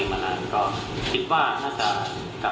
แล้วทำให้ทีมไปทำมาก่อนรอบกันก็ควรเป็นการควดล้อมครับ